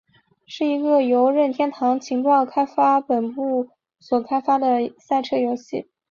是一个由任天堂情报开发本部所开发的赛车游戏。